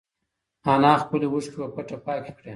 انا خپلې اوښکې په پټه پاکې کړې.